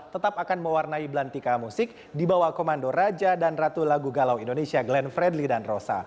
tetap akan mewarnai belantika musik di bawah komando raja dan ratu lagu galau indonesia glenn fredly dan rosa